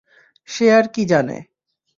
সে আর কি জানে?